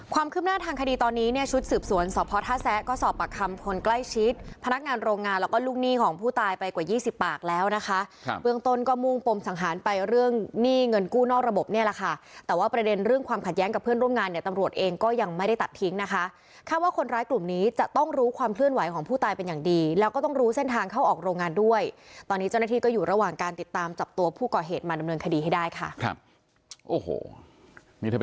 ความขึ้นหน้าทางคดีตอนนี้เนี่ยชุดสืบสวนสอบพทรัศน์แซะก็สอบปรับคำผลใกล้ชิดพนักงานโรงงานแล้วก็ลุงหนี้ของผู้ตายไปกว่ายี่สิบปากแล้วนะคะค่ะครับเบื้องต้นก็มุ่งปมสังหารไปเรื่องหนี้เงินกู้นอกระบบเนี่ยแหละค่ะแต่ว่าประเด็นเรื่องความขัดแย้งกับเพื่อนร่วมงานเนี่ยตำรว